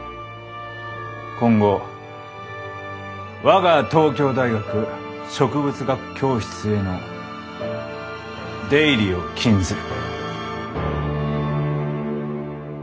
今後我が東京大学植物学教室への出入りを禁ずる。